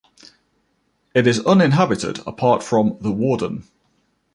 It is uninhabited apart from the warden.